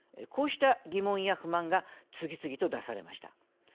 こうした疑問や不満が次々と出されました。